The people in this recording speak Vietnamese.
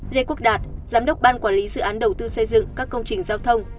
lê quốc đạt giám đốc ban quản lý dự án đầu tư xây dựng các công trình giao thông